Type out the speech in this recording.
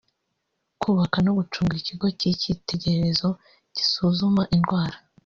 kubaka no gucunga Ikigo cy’icyitegererezo gisuzuma indwara